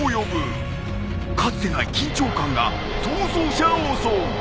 かつてない緊張感が逃走者を襲う。